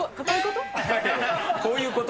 こういうこと？